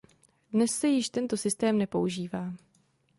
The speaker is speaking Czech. Dnes se již tento systém nepoužívá.